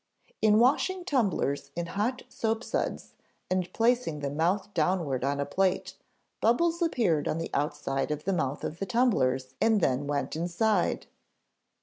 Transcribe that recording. "In washing tumblers in hot soapsuds and placing them mouth downward on a plate, bubbles appeared on the outside of the mouth of the tumblers and then went inside.